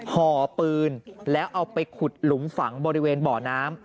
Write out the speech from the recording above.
ห่อปืนแล้วเอาไปขุดหลุมฝังบริเวณบ่อน้ำ